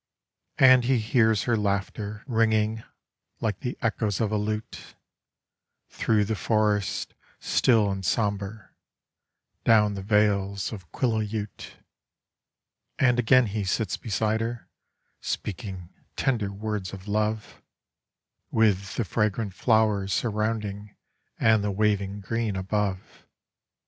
And he hears her laughter ringing like the echoes of a lute Through the forest, still and sombre, down the vales of Quillayute. And again he sits beside her speaking tender words of love With the fragrant flowers surrounding and the waving green above.